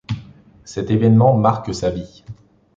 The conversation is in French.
Cet événement marque sa vie.